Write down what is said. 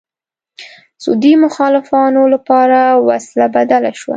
سعودي مخالفانو لپاره وسله بدله شوه